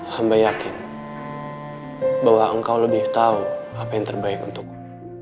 hamba yakin bahwa engkau lebih tahu apa yang terbaik untukku